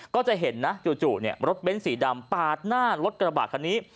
ก็จะเห็นนะจู่รถเบ้นสีดำปาดหน้ารถกระบะคันนี้